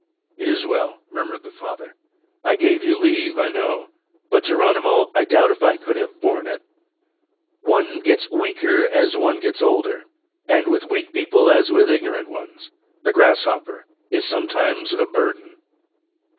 "It is well," murmured the father. "I gave you leave, I know; but, Geronimo, I doubt if I could have borne it. One gets weaker as one gets older; and, with weak people as with ignorant ones, the grasshopper is sometimes a burden."